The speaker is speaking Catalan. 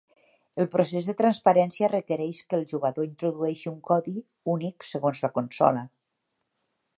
El procés de transferència requereix que el jugador introdueixi un codi únic segons la consola.